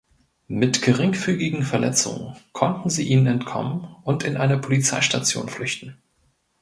Mit geringfügigen Verletzungen konnten sie ihnen entkommen und in eine Polizeistation flüchten.